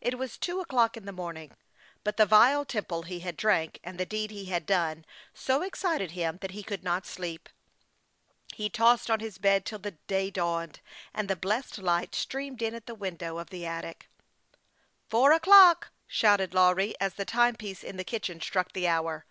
It was two o'clock in the morning ; but the vile tipple he had drank, and the deed he had done, so excited him that he could not sleep. He tossed on his bed till the day dawned, and the blessed light streamed in at the window of the attic. THE YOUNG PILOT OF LAKE CHAMPLAIN. 165 " Four o'clock !" shouted Lawry, springing from his bed, as the timepiece in the kitchen struck the hour.